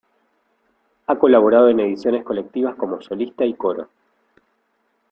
Ha colaborado en ediciones colectivas como solista y coro.